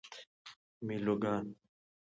میلوگان